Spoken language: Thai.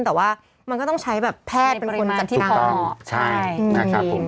แต่ว่ามันก็ต้องใช้แบบแพทย์เป็นคนจัดที่พอใช่